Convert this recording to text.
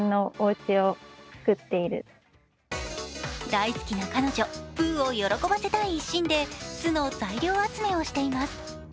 大好きな彼女、プーを喜ばせたい一心で巣の材料集めをしています。